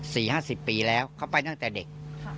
สี่ห้าสิบปีแล้วเขาไปตั้งแต่เด็ก